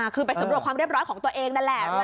คือไปสำรวจความเรียบร้อยของตัวเองนั่นแหละ